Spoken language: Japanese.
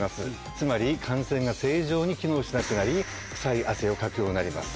つまり汗腺が正常に機能しなくなり臭い汗をかくようになります。